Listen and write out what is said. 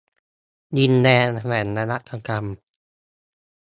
ดินแดนแห่งนวัตกรรม